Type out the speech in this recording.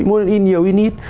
muốn in nhiều in ít